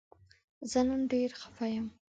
زه نن ډیر خفه یم